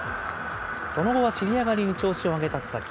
その後は尻上がりに調子を上げた佐々木。